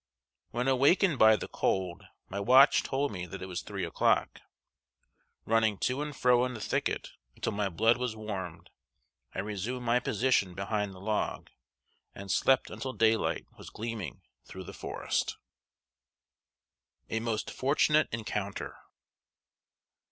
When awakened by the cold, my watch told me that it was three o'clock. Running to and fro in the thicket until my blood was warmed, I resumed my position behind the log, and slept until daylight was gleaming through the forest. [Sidenote: A MOST FORTUNATE ENCOUNTER.